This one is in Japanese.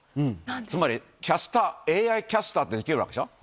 つまり、キャスター、ＡＩキャスターってできるわけでしょ。